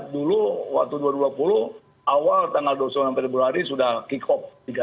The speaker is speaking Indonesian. dulu waktu dua ribu dua puluh awal tanggal dua puluh sembilan februari sudah kick off